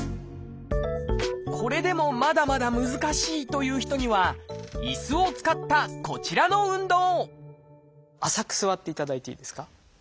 これでもまだまだ難しいという人には椅子を使ったこちらの運動浅く座っていただいていいですか。